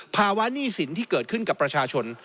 หนี้สินที่เกิดขึ้นกับประชาชน